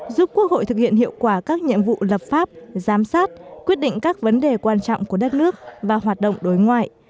giúp quốc hội thực hiện hiệu quả các nhiệm vụ lập pháp giám sát quyết định các vấn đề quan trọng của đất nước và hoạt động đối ngoại